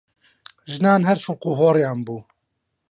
ژنان هەر فڵقوهۆڕیان بوو!